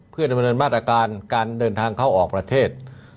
เพื่อดำเนินมาตรการการเดินทางเข้าออกประเทศ